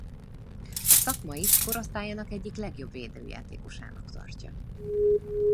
A szakma is korosztályának egyik legjobb védőjátékosának tartja.